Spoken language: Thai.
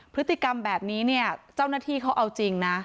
พฤติกรรมแบบนี้เนี่ยเจ้าหน้าที่เขาเอาจริงนะ